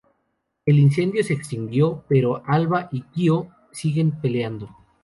El incendió se extinguió, pero Alba y Kyo siguen peleando.